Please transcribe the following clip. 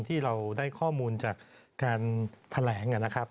ที่เราได้ข้อมูลจากการแถลงนะครับ